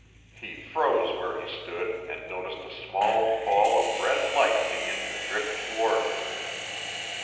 He froze where he stood and noticed a small ball of red fire begin to drift toward him.